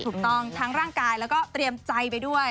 ถูกต้องทั้งร่างกายแล้วก็เตรียมใจไปด้วย